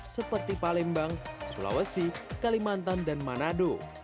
seperti palembang sulawesi kalimantan dan manado